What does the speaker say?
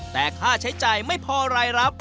แต่ค่าใช้จ่ายไม่พอรายรับ